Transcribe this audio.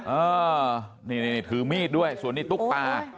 เออนี่ถือมีดด้วยส่วนนี้ตุ๊กตา